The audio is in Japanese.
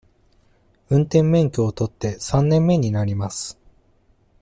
運転免許を取って三年目になります。